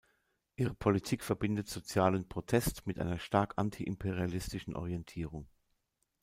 Ihre Politik verbindet sozialen Protest mit einer stark antiimperialistischen Orientierung.